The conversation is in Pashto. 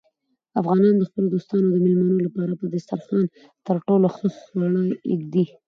افغانان د خپلو دوستانو او مېلمنو لپاره په دسترخوان تر ټولو ښه خواړه ایږدي.